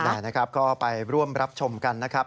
ใช่นะครับก็ไปร่วมรับชมกันนะครับ